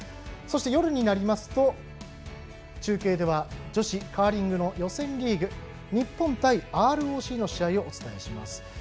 そして夜になりますと中継では、女子カーリングの予選リーグ、日本対ＲＯＣの試合お伝えします。